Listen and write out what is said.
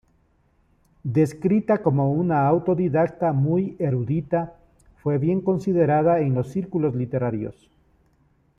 Descrita como una autodidacta muy erudita, fue bien considerada en los círculos literarios.